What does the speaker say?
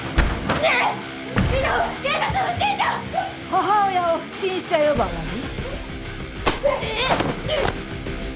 母親を不審者呼ばわり？